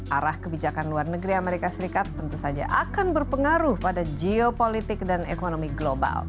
arah kebijakan luar negeri amerika serikat tentu saja akan berpengaruh pada geopolitik dan ekonomi global